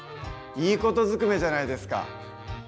いい事ずくめじゃないですか！